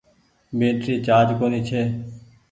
بيٽري چآرج ڪونيٚ ڇي۔